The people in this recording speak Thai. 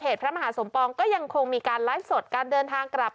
พระมหาสมปองก็ยังคงมีการไลฟ์สดการเดินทางกลับ